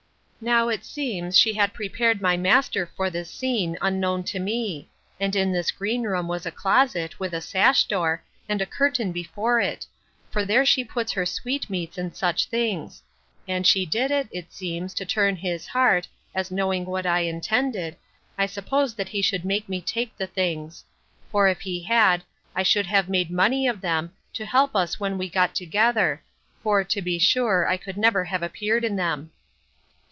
Now, it seems, she had prepared my master for this scene, unknown to me; and in this green room was a closet, with a sash door, and a curtain before it; for there she puts her sweet meats and such things; and she did it, it seems, to turn his heart, as knowing what I intended, I suppose that he should make me take the things; for, if he had, I should have made money of them, to help us when we got together; for, to be sure, I could never have appeared in them.